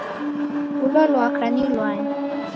Ulo lwaka ni lwani?